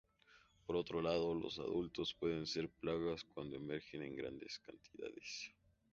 Por otro lado, los adultos pueden ser plagas cuando emergen en grandes cantidades.